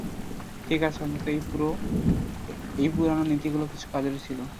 ঠিক আছে, অন্তত এই পুরানো নীতিগুলো কিছু কাজের ছিল।